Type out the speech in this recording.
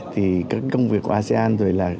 thì các công việc của asean rồi là